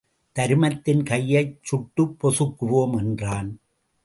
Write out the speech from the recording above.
தருமத்தின் கையைச் சுட்டுப் பொசுக்குவோம் என்றான்.